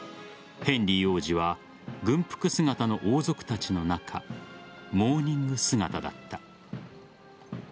ヘンリー王子は軍服姿の王族たちの中モーニング姿だった。